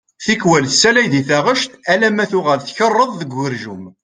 Tikwal tessalay di taɣect alamma tuɣal tkeṛṛeḍ deg ugerjum.